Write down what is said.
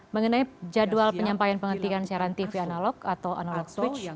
mengenai jadwal penyampaian pengertian siaran tv analog atau analog switch